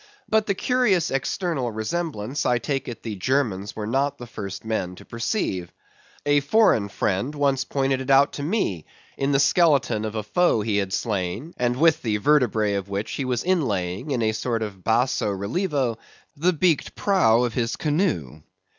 But the curious external resemblance, I take it the Germans were not the first men to perceive. A foreign friend once pointed it out to me, in the skeleton of a foe he had slain, and with the vertebræ of which he was inlaying, in a sort of basso relievo, the beaked prow of his canoe.